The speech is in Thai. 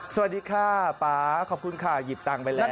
สวัสดีค่ะป๊าขอบคุณค่ะหยิบตังค์ไปแล้ว